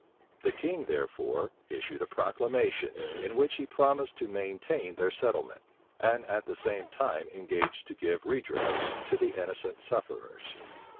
The king, therefore, issued a proclamation, in which he promised to maintain their settlement, and at the same time engaged to give redress to the innocent sufferers.